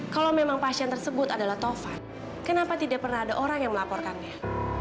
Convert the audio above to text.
kalau memang pasien tersebut adalah tovan kenapa tidak pernah ada orang yang melaporkannya